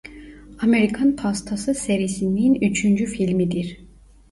Amerikan Pastası Serisi'nin üçüncü filmidir.